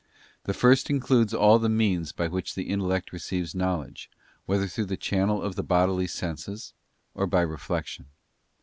The first includes all the means by which the intellect receives knowledge, whether through the channel of the bodily senses, or by reflection.